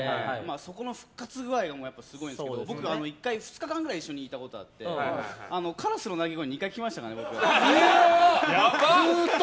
そこの復活具合もすごいんですけど僕、１回２日間くらい一緒にいた時があってカラスの鳴き声２回聞きましたからね。